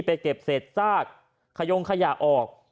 ไปเก็บเศษซากขยงขยะออก